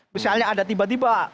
misalnya ada tiba tiba